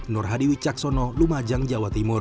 nur hadiwi caksono lumajang jawa timur